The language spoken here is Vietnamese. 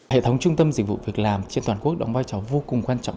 hệ thống trung tâm dịch vụ việc làm trên toàn quốc đóng vai trò vô cùng quan trọng